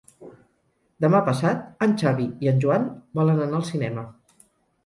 Demà passat en Xavi i en Joan volen anar al cinema.